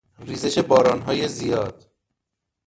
ریزش باران های زیاد